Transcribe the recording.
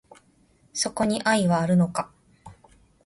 そこに愛はあるのか